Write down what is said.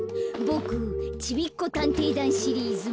ボク「ちびっこたんてい団」シリーズ